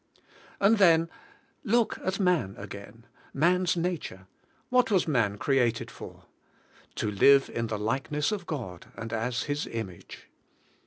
And then look at man again; man's nature. What was man created for? To live in the like ness of God, and as His image.